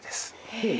ほう？